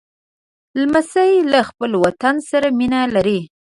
لمسی له خپل وطن سره مینه لري.